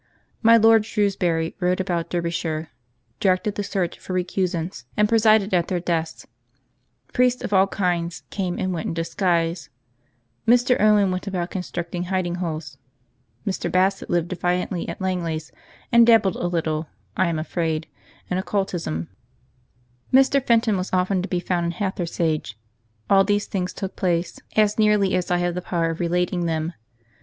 My Lord Shrewsbury rode about Derbyshire, directed the search for recusants and presided at their deaths ; priests of all kinds came and went in disguise; Mr. Owen went about constructing hiding holes ; Mr. Bassett lived defiantly at Langleys, and dabbled a little (I am afraid) in occultism; Mr. Fenton was often to be found in Hathersage — all these things took place vi PREFACE as nearly as I have had the power of relating them.